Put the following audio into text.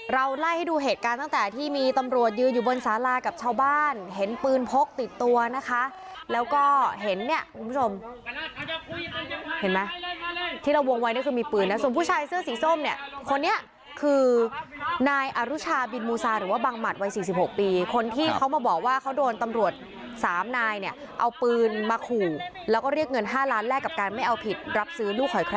เราไล่ให้ดูเหตุการณ์ตั้งแต่ที่มีตำรวจยืนอยู่บนสารากับชาวบ้านเห็นปืนพกติดตัวนะคะแล้วก็เห็นเนี่ยคุณผู้ชมเห็นไหมที่เราวงไว้นี่คือมีปืนนะส่วนผู้ชายเสื้อสีส้มเนี่ยคนนี้คือนายอรุชาบินมูซาหรือว่าบังหมัดวัย๔๖ปีคนที่เขามาบอกว่าเขาโดนตำรวจสามนายเนี่ยเอาปืนมาขู่แล้วก็เรียกเงิน๕ล้านแลกกับการไม่เอาผิดรับซื้อลูกหอย